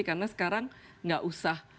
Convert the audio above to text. karena sekarang enggak usah